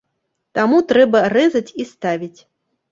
Таму трэба рэзаць і ставіць.